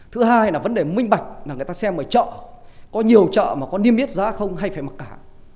thứ hai là vấn đề minh bạch là người ta xem ở chợ có nhiều chợ mà có niêm yết giá không hay phải mặc cả